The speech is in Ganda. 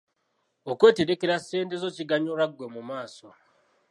Okweterekera ssente zo kiganyula ggwe mu maaso.